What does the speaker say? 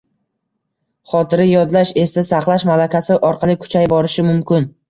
Xotira yodlash, esda saqlash malakasi orqali kuchayib borishi mumkin.